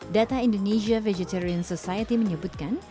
data indonesia vegetarian society menyebutkan